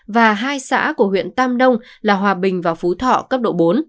và hai xã của huyện tam nông là hòa bình và phú thọ cấp độ bốn